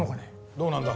どうなんだ？